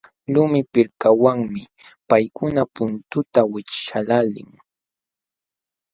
Lumi pirkawanmi paykuna puntunta wićhqaqlaalin.